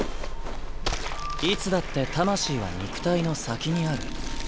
いつだって魂は肉体の先にある。